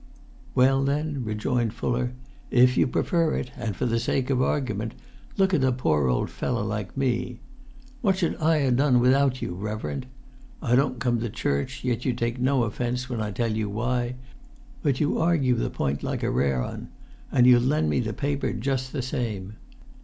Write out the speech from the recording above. "Well, then," rejoined Fuller, "if you prefer it, and for the sake of argument, look at a poor old feller like me. What should I ha' done without you, reverend? I don't come to church, yet you take no offence when I tell you why, but you argue the point like a rare 'un, and you lend me the paper just the same.